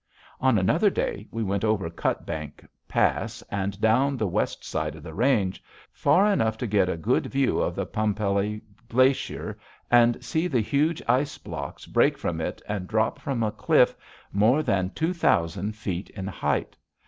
On another day we went over Cutbank Pass and down the west side of the range, far enough to get a good view of the Pumpelly Glacier, and see the huge ice blocks break from it and drop from a cliff more than two thousand feet in height.